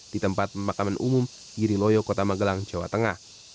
di tempat pemakaman umum giriloyo kota magelang jawa tengah